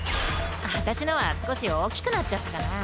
私のは少し大きくなっちゃったかな。